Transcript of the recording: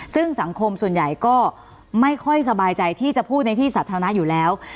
ซึ่งสังคมส่วนใหญ่ก็ไม่ค่อยสบายใจที่จะพูดในที่สาธารณะอยู่แล้ว